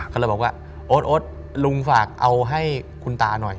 เขาเลยบอกว่าโอ๊ตลุงฝากเอาให้คุณตาหน่อย